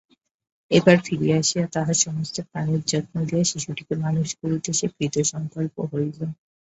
এবার ফিরিয়া আসিয়া তাহার সমস্ত প্রাণের যত্ন দিয়া শিশুটিকে মানুষ করিতে সে কৃতসংকল্প হইল।